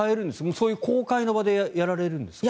そういう公開の場でやられるんですか？